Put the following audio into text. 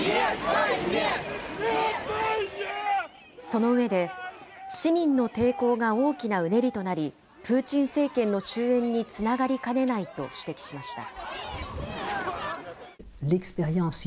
その上で、市民の抵抗が大きなうねりとなり、プーチン政権の終えんにつながりかねないと指摘しました。